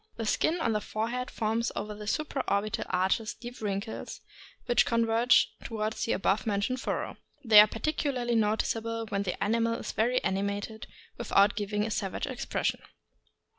The skin on the forehead forms over the supra orbital arches deep wrinkles, which converge toward the above mentioned furrow. They are particularly noticeable when the animal is very animated, without giving a savage expression.